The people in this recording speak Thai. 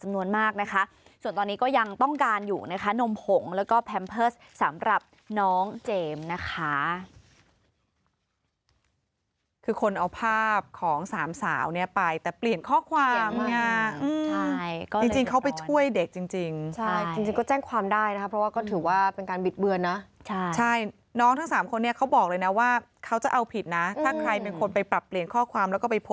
มากนะคะส่วนตอนนี้ก็ยังต้องการอยู่นะคะนมผงแล้วก็แพมเพิร์สสำหรับน้องเจมส์นะคะคือคนเอาภาพของสามสาวเนี่ยไปแต่เปลี่ยนข้อความไงใช่ก็จริงเขาไปช่วยเด็กจริงจริงใช่จริงก็แจ้งความได้นะคะเพราะว่าก็ถือว่าเป็นการบิดเบือนนะใช่น้องทั้งสามคนเนี่ยเขาบอกเลยนะว่าเขาจะเอาผิดนะถ้าใครเป็นคนไปปรับเปลี่ยนข้อความแล้วก็ไปพ